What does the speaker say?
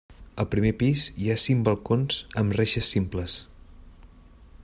Al primer pis hi ha cinc balcons amb reixes simples.